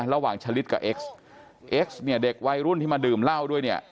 ฉะลิดกับเอ็กซ์เอ็กซ์เนี่ยเด็กวัยรุ่นที่มาดื่มเหล้าด้วยเนี่ย